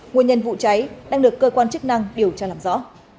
nguyên nhân vụ cháy đang được cơ quan chức năng điều tra làm rõ